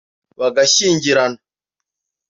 bagashyingirana